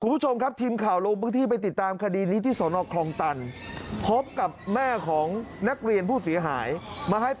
เพราะว่าวิ่งวิ่งหนีแล้วล้ม